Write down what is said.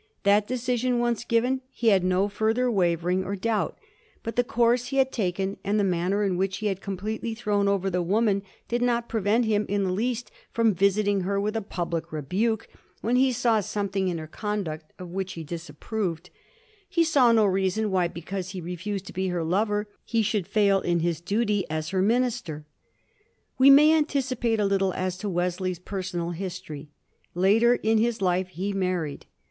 That decision once given, bo had no further wavering or 1788. WESLEY»S UNHAPPY MARRIAGE. 137 doabt, but the course he had taken and the manner in which he had completely thrown over the woman did not prevent him in the least from visiting her with a public rebuke when he saw something in her conduct of which he disapproved. He saw no reason why, because he refused to be her lover, he should fail in his duty as her minister. We may anticipate a little as to Wesley's personal his tory. Later in his life he married.